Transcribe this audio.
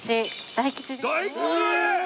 大吉！